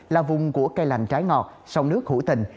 là vùng của cây lành trái ngọt sông nước hữu tình